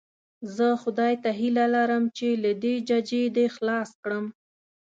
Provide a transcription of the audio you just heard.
زه خدای ته هیله لرم چې له دې ججې دې خلاص کړم.